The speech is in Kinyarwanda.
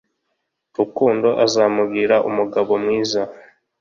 Rukundo azamugira umugabo mwiza